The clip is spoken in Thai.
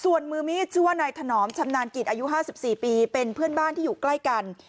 ส่วนมือมีดชื่อว่านายถนอมชำนาญกิจอายุ๕๔ปีเป็นเพื่อนบ้านที่อยู่ใกล้กัน